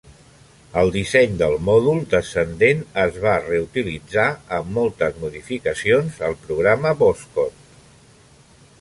El disseny del mòdul descendent es va reutilitzar, amb moltes modificacions, al programa Voskhod.